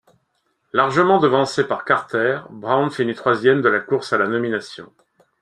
Largement devancé par Carter, Brown finit troisième de la course à la nomination.